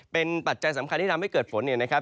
เป็นปัจจัยสำคัญที่ทำให้เกิดฝนเนี่ยนะครับ